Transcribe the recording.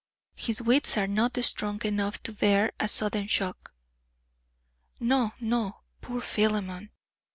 His wits are not strong enough to bear a sudden shock." "No, no, poor Philemon!